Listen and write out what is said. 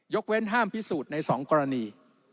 เว้นห้ามพิสูจน์ใน๒กรณี